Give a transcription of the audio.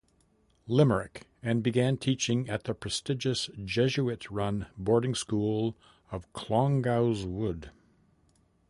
Limerick, and began teaching at the prestigious Jesuit-run boarding school of Clongowes Wood.